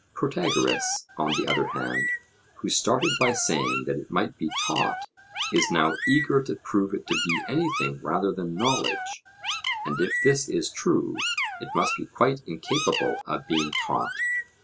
Protagoras, on the other hand, who started by saying that it might be taught, is now eager to prove it to be anything rather than knowledge; and if this is true, it must be quite incapable of being taught.'